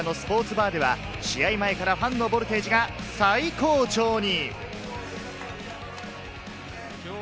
渋谷のスポーツバーでは試合前からファンのボルテージが最高潮に。